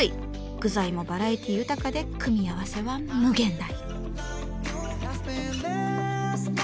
具材もバラエティー豊かで組み合わせは無限大。